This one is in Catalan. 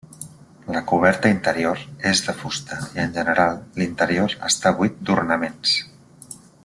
La coberta interior és de fusta i en general l'interior està buit d'ornaments.